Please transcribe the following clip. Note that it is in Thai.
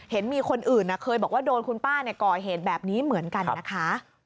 เห็นมีคนอื่นเคยบอกว่าโดนคุณป้าก่อเหตุแบบนี้เหมือนกันนะคะ